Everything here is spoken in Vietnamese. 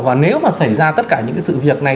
và nếu mà xảy ra tất cả những cái sự việc này